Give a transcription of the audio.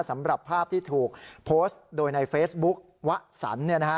สำหรับภาพที่ถูกโพสต์โดยในเฟซบุ๊ควะสัน